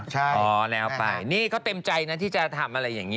เขาว่าเต็มใจนะ้อนี่ไปทำอะไรวะเกาหลี